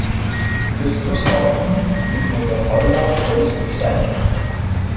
Die "Discus"-Arten leben unter Falllaub, Holz und Steinen.